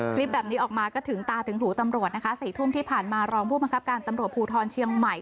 คลิปแบบนี้ออกมาก็ถึงตาถึงหูตำรวจนะคะ๔ทุ่มที่ผ่านมารองผู้บังคับการตำรวจภูทรเชียงใหม่